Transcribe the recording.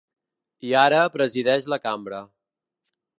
I ara presideix la cambra.